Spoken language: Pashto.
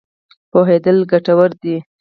پوهېدل ګټور دی.